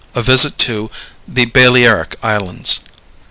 A VISIT TO THE BALEARIC ISLANDS.